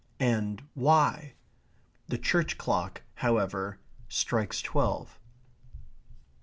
and why? The church clock, however, strikes twelve.